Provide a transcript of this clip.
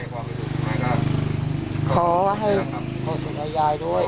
ขอโฆษีให้ยายด้วย